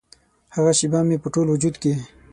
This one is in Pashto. هغه شیبه مې په ټول وجود کې